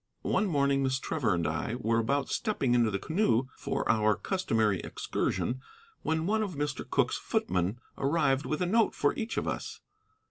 One morning Miss Trevor and I were about stepping into the canoe for our customary excursion when one of Mr. Cooke's footmen arrived with a note for each of us.